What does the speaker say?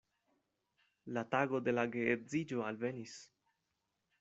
La tago de la geedziĝo alvenis.